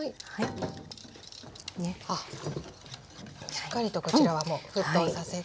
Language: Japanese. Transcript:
しっかりとこちらはもう沸騰させて。